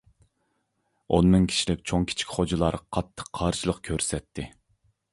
ئون مىڭ كىشىلىك چوڭ-كىچىك خوجىلار قاتتىق قارشىلىق كۆرسەتتى.